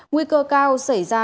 nguy cơ cao xảy ra